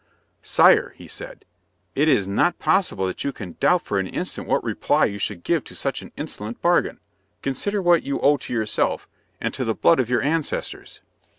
"Sire," he said, "it is not possible that you can doubt for an instant what reply you should give to such an insolent bargain. Consider what you owe to yourself, and to the blood of your ancestors."